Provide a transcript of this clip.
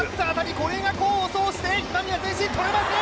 これが功を奏して今宮前進捕れません